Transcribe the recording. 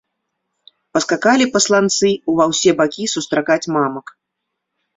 Паскакалі пасланцы ўва ўсе бакі сустракаць мамак.